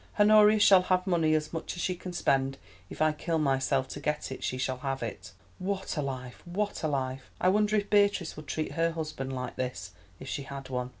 "Honoria shall have money as much as she can spend—if I kill myself to get it, she shall have it. What a life, what a life! I wonder if Beatrice would treat her husband like this—if she had one."